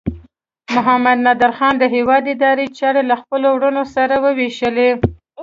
محمد نادر خان د هیواد اداري چارې له خپلو وروڼو سره وویشلې.